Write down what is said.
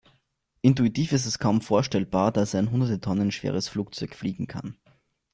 Intuitiv ist es kaum vorstellbar, dass ein hunderte Tonnen schweres Flugzeug fliegen kann.